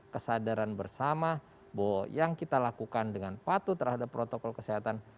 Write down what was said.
kesadaran bersama bahwa yang kita lakukan dengan patuh terhadap protokol kesehatan